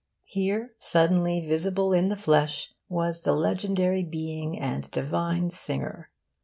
Here, suddenly visible in the flesh, was the legendary being and divine singer.